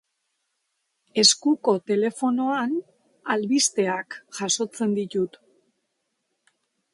Eskuko telefonoan albisteak jasotzen ditut.